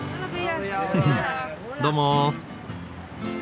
フフッどうも！